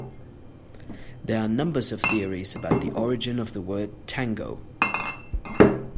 There are numbers of theories about the origin of the word "tango".